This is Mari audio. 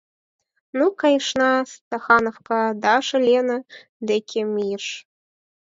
— Ну, кайышна, стахановка, — Даша Лена деке мийыш.